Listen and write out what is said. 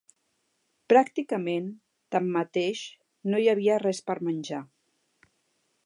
Pràcticament, tanmateix, no hi havia res per menjar